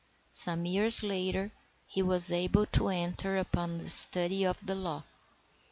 Some years later he was able to enter upon the study of the law.